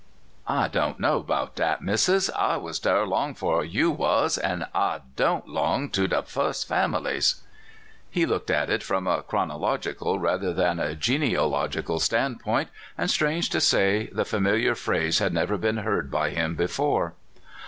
"I do n't know 'bout dat, Missus. I was dar 'fore you was, an' I do n't 'long to de fus' fam ilies !" He looked at it from a chronological rather than a genealogical stand point, and, strange to say, the familiar phrase had never been heard by him before.